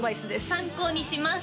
参考にします